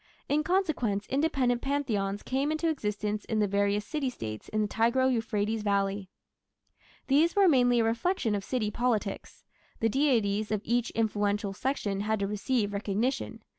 In consequence independent Pantheons came into existence in the various city States in the Tigro Euphrates valley. These were mainly a reflection of city politics: the deities of each influential section had to receive recognition.